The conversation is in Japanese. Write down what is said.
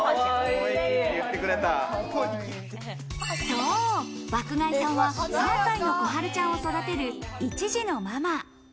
そう、爆買いさんは３歳のこはるちゃんを育てる一児のママ。